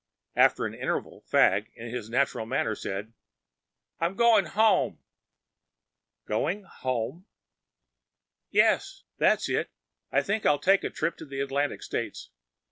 After an interval, Fagg in his natural manner said,‚ÄĒ “I’m going home!‚ÄĚ “Going home?‚ÄĚ ‚ÄúYes,‚ÄĒthat is, I think I’ll take a trip to the Atlantic States.